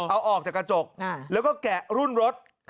เอาออกจากกระจกแล้วก็แกะรุ่นรถ